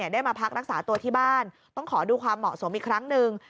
ได้มาพักรักษาตัวที่บ้านต้องขอดูความเหมาะสมอีกครั้งหนึ่ง